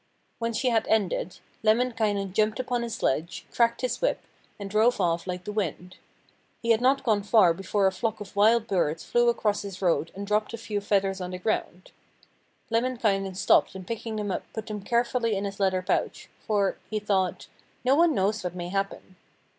When she had ended, Lemminkainen jumped upon his sledge, cracked his whip, and drove off like the wind. He had not gone far before a flock of wild birds flew across his road and dropped a few feathers on the ground. Lemminkainen stopped and picking them up put them carefully in his leather pouch, 'for,' he thought, 'no one knows what may happen.'